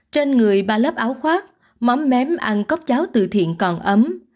trên người ba lớp áo khoác mắm mém ăn cốc cháo tự thiện còn ấm